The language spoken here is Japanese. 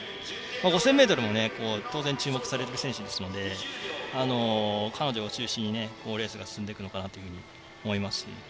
５０００ｍも当然、注目される選手ですので彼女を中心にレースが進むのかなと思います。